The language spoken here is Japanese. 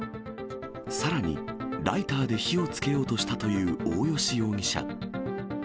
さらに、ライターで火をつけようとしたという大吉容疑者。